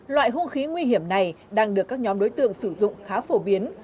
loại hung khí nguy hiểm này đang được các nhóm đối tượng sử dụng khá phổ biến